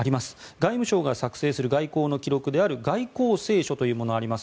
外務省が作成する外交の記録である外交青書というものがあります。